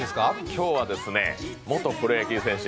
今日は元プロ野球選手、